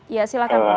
ya silakan prof